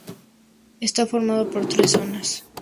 Está formado por tres zonas.